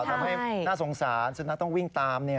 ทำให้น่าสงสารสุนัขต้องวิ่งตาม